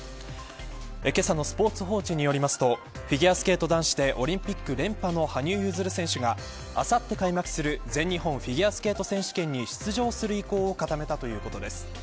けさのスポーツ報知によりますとフィギュアスケート男子でオリンピック連覇の羽生結弦選手があさって開幕する、全日本フィギュアスケート選手権に出場する意向を固めたということです。